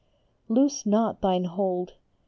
Loose not thine hold !